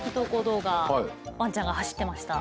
ワンちゃんが走ってました。